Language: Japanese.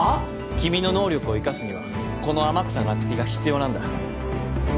君の能力を生かすにはこの天草那月が必要なんだ。